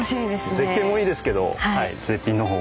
絶景もいいですけど絶品のほう。